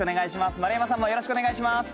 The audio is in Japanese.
丸山さんもよろしくお願いします